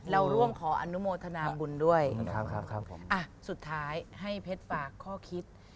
เราร่วมขออนุโมทนาบุญด้วยนะครับผมอ่ะสุดท้ายให้เพชรฝากข้อคิด